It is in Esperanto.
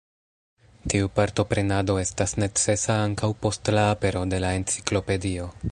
Tiu partoprenado estas necesa ankaŭ post la apero de la Enciklopedio.